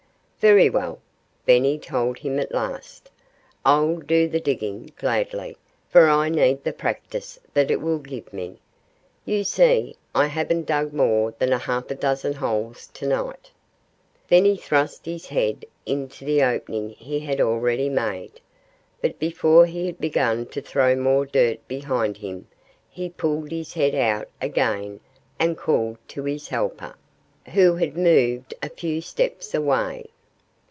"Very well!" Benny told him at last. "I'll do the digging, gladly for I need the practice that it will give me. You see, I haven't dug more than a half dozen holes to night." Then he thrust his head into the opening he had already made. But before he had begun to throw more dirt behind him he pulled his head out again and called to his helper, who had moved a few steps away.